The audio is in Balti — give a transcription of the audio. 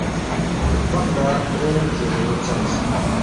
ہرمق لہ اونگ زیرے ژَلس